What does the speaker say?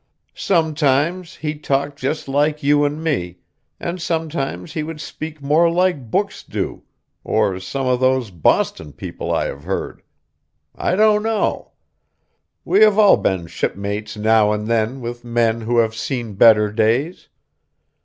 Sometimes he talked just like you and me, and sometimes he would speak more like books do, or some of those Boston people I have heard. I don't know. We have all been shipmates now and then with men who have seen better days.